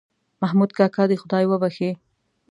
محمود کاکا دې خدای وبښې.